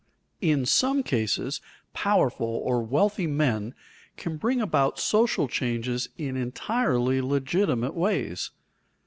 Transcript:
In some cases powerful or wealthy men can bring about social changes in entirely legitimate ways.